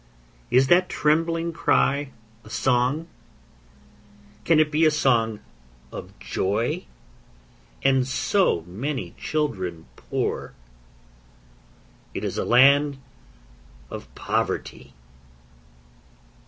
Is that trembling cry a song? Can it be a song of joy? And so many children poor? It is a land of poverty!